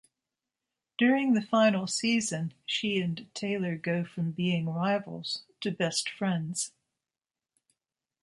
During the final season, she and Taylor go from being rivals to best friends.